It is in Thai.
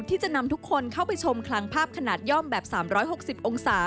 ที่จะนำทุกคนเข้าไปชมคลังภาพขนาดย่อมแบบ๓๖๐องศา